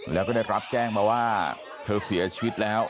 แล้วก็ได้รับแจ้งมาว่าเธอเสียชีวิตแล้ว